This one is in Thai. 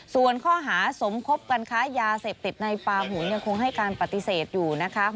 ส่วนข้อหาสมคบกันค้ายาเสพติดในปาหุนยังคงให้การปฏิเสธอยู่นะคะ